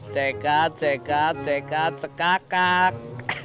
cekat cekat cekat cekakak